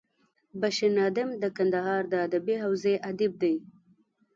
بشیر نادم د کندهار د ادبي حوزې ادیب دی.